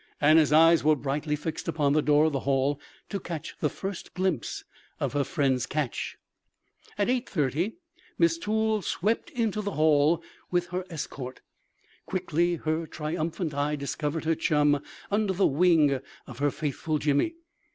Anna's eyes were brightly fixed upon the door of the hall to catch the first glimpse of her friend's "catch." At 8:30 Miss Toole swept into the hall with her escort. Quickly her triumphant eye discovered her chum under the wing of her faithful Jimmy.